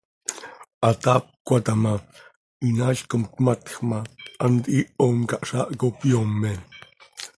Hataap cöhata ma, hinaail com tmatj ma, hant hiihom cah zaah cop yoome.